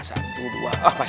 siapa deh pak bisi